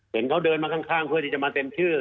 เห็นเขาเดินมาข้างเพื่อที่จะมาเซ็นชื่อ